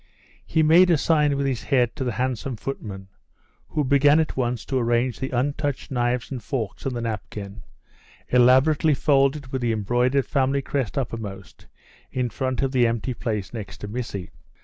He made a sign with his head to the handsome footman, who began at once to arrange the untouched knives and forks and the napkin, elaborately folded with the embroidered family crest uppermost, in front of the empty place next to Missy.